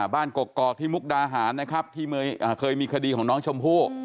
กกอกที่มุกดาหารนะครับที่เคยมีคดีของน้องชมพู่